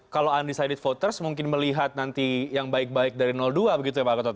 kalau undecided voters mungkin melihat nanti yang baik baik dari dua begitu ya pak gatot